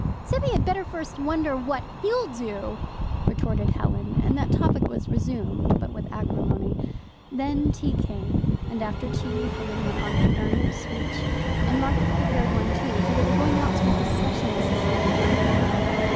"Tibby had better first wonder what he'll do," retorted Helen; and that topic was resumed, but with acrimony. Then tea came, and after tea Helen went on preparing her speech, and Margaret prepared one, too, for they were going out to a discussion society on the morrow.